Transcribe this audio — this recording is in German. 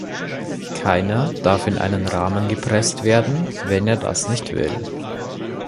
Keiner darf in einen Rahmen gepresst werden, wenn er das nicht will.